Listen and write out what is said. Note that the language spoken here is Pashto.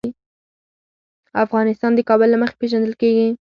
افغانستان د کابل له مخې پېژندل کېږي.